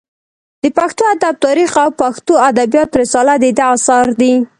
د پښتو ادب تاریخ او پښتو ادبیات رساله د ده اثار دي.